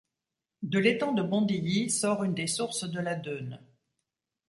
De l’étang de Bondilly sort une des sources de la Dheune.